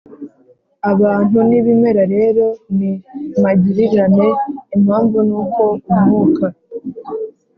abantu n'ibimera rero ni magirirane. impamvu ni uko umwuka